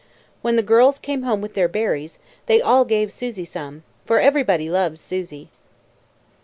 When the girls came home with their berries, they all gave Susy some, for every body loves Susy.